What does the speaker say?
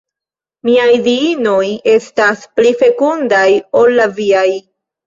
Miaj Diinoj estas pli fekundaj ol la viaj.